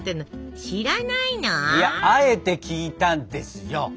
いやあえて聞いたんですよ。